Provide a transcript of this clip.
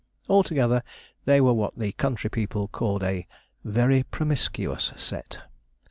Altogether, they were what the country people called a very 'promiscuous set.'